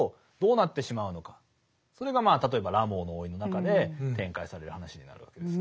それが例えば「ラモーの甥」の中で展開される話になるわけです。